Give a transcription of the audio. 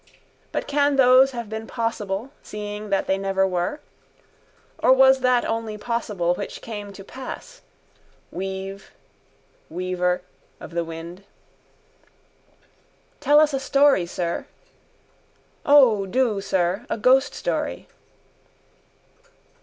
But can those have been possible seeing that they never were? Or was that only possible which came to pass? Weave, weaver of the wind. —Tell us a story, sir. —O, do, sir. A ghoststory.